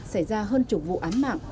xảy ra hơn chục vụ án mạng